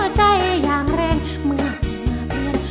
ย่าสีฟันไฮเฮิร์ฟแดนไนท์แคร์